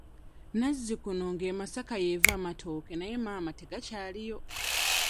Nazzikuno ng'e Masaka y'eva amatooke naye maama tegakyaliyo.